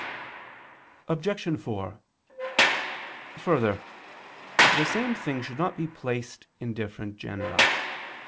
Obj. 4: Further, the same thing should not be placed in different genera.